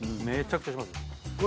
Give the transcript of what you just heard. めちゃくちゃしますよ。